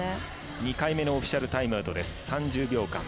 ２回目のオフィシャルタイムアウト。